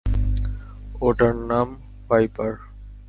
ওটার নাম ওয়াইপার।